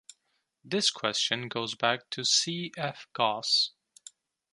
This question goes back to C. F. Gauss.